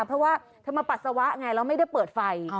เพราะว่าเธอมาปัสสาวะไงแล้วไม่ได้เปิดไฟ